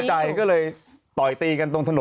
ให้คิดใครเป็นใคร